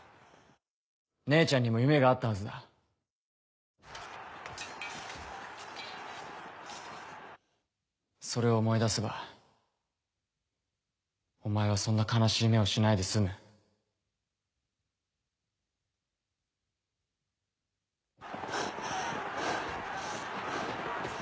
姉ちゃんにも夢があったはずだそれを思い出せばお前はそんな悲しい目をしないで済むハァハァハァ。